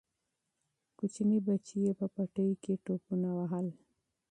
کوچني بچي یې په پټي کې ټوپونه وهل.